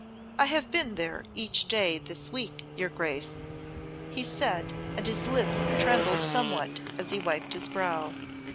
"I have been there each day this week, your Grace," he said, and his lips trembled somewhat as he wiped his brow.